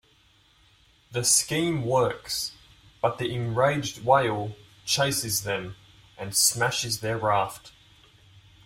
The scheme works, but the enraged whale chases them, and smashes their raft.